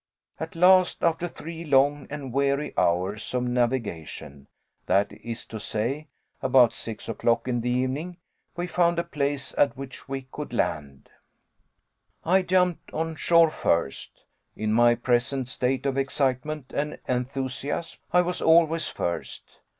At last, after three long and weary hours of navigation, that is to say, about six o'clock in the evening, we found a place at which we could land. I jumped on shore first. In my present state of excitement and enthusiasm, I was always first.